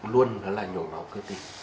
luôn là nhồi máu cơ tim